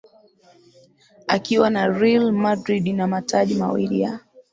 Akiwa na Real Madrid na mataji mawili ya